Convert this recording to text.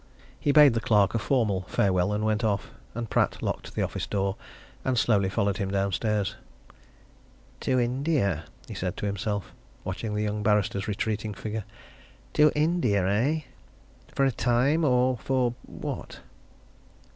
He bade the clerk a formal farewell and went off, and Pratt locked the office door and slowly followed him downstairs. "To India!" he said to himself, watching the young barrister's retreating figure. "To India, eh? For a time or for what?"